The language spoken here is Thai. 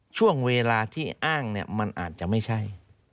ช่วงเวลาที่อ้างเนี่ยมันอาจจะไม่ใช่